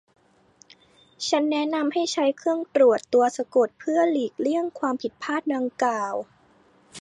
ฉันแนะนำให้ใช้เครื่องตรวจตัวสะกดเพื่อหลีกเลี่ยงความผิดพลาดดังกล่าว